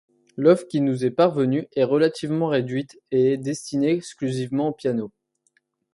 L'œuvre qui nous est parvenue est relativement réduite et est destinée exclusivement au piano.